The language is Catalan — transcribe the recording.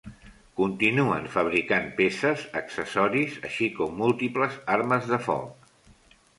Continuen fabricant peces, accessoris, així com múltiples armes de foc.